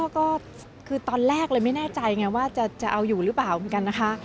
ก็คือตอนแรกเลยไม่แน่ใจไงว่าจะเอาอยู่หรือเปล่าเหมือนกันนะคะ